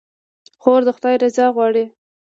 خور د خدای رضا غواړي.